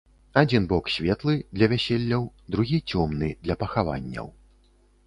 Адзін бок светлы, для вяселляў, другі цёмны, для пахаванняў.